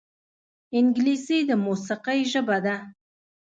انګلیسي د موسیقۍ ژبه ده